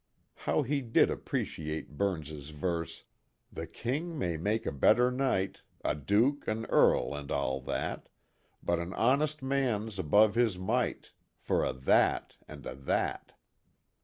How he did appreciate Burns' verse :" The King may make a better Knight, A Duke, an Earl, and all that, But an honest man's above his might For a' that and a' that."